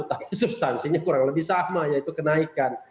tapi substansinya kurang lebih sama yaitu kenaikan